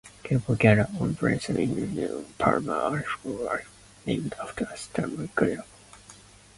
Grigorov Glacier on Brabant Island in Palmer Archipelago, Antarctica is named after Stamen Grigorov.